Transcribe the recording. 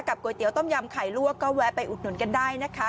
ก๋วยเตี๋ต้มยำไข่ลวกก็แวะไปอุดหนุนกันได้นะคะ